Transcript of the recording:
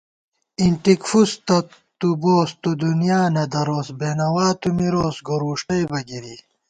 اِنٹِک فُس تہ تُوبوس، تُو دُنیا نہ دروس ✿ بېنوا تُو مِروس ، گور وُݭٹئیبہ گِری